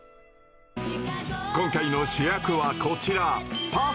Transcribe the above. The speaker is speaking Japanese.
今回の主役はこちら！